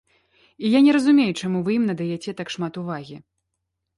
І я не разумею, чаму вы ім надаяце так шмат увагі.